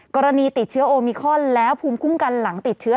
กรณีติดเชื้อโอมิคอนแล้วภูมิคุ้มกันหลังติดเชื้อ